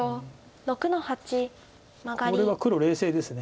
これは黒冷静です。